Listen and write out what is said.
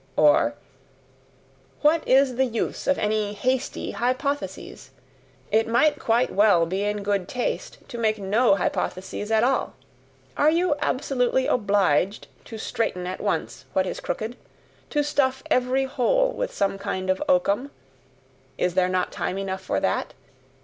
Or: "What is the use of any hasty hypotheses? It might quite well be in good taste to make no hypotheses at all. Are you absolutely obliged to straighten at once what is crooked? to stuff every hole with some kind of oakum? Is there not time enough for that?